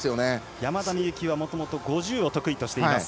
山田美幸はもともと５０を得意としています。